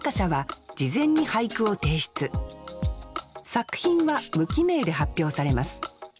作品は無記名で発表されます。